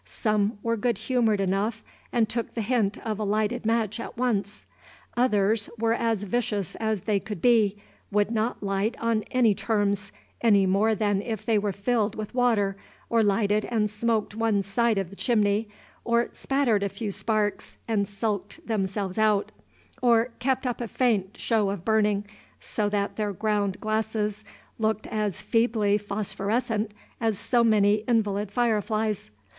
Some were good humored enough and took the hint of a lighted match at once. Others were as vicious as they could be, would not light on any terms, any more than if they were filled with water, or lighted and smoked one side of the chimney, or spattered a few sparks and sulked themselves out, or kept up a faint show of burning, so that their ground glasses looked as feebly phosphorescent as so many invalid fireflies.